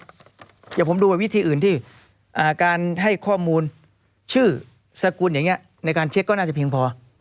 เดี๋ยวผมดูว่าวิธีอื่นที่การให้ข้อมูลชื่อสกุลอย่างนี้ในการเช็คก็น่าจะเพียงพอ